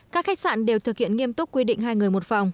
các khách sạn đều thực hiện nghiêm túc quy định hai người một phòng